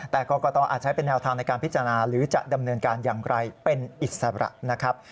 แต่กรกตอาจใช้เป็นแนวทางในการพิจารณาหรือจะดำเนินการอย่างไรเป็นอิสระนะครับ